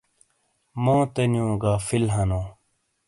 موتے نیو غافل ہنو۔